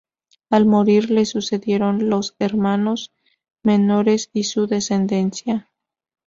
Al morir le sucedieron los hermanos menores y su descendencia.